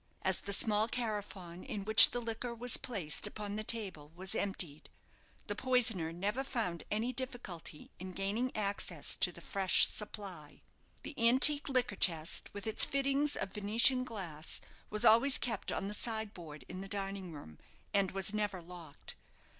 As the small carafon in which the liquor was placed upon the table was emptied, the poisoner never found any difficulty in gaining access to the fresh supply. The antique liquor chest, with its fittings of Venetian glass was always kept on the side board in the dining room, and was never locked.